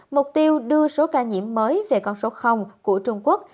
mục tiêu đưa số ca nhiễm mới về con số của trung quốc